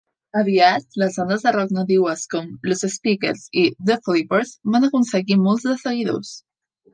Aviat, les bandes de rock nadiues com Los Speakers i The Flippers van aconseguir molts de seguidors.